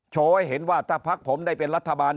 ให้เห็นว่าถ้าพักผมได้เป็นรัฐบาล